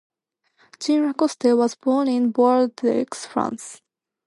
Jean Lacouture was born in Bordeaux, France.